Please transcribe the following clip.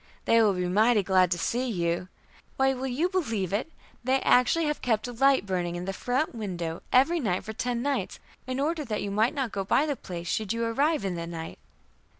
They will be mighty glad to see you. Why, will you believe it! they actually have kept a light burning in the front window every night for ten nights, in order that you might not go by the place should you arrive in the night."